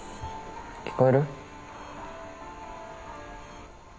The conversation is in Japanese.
聞こえる？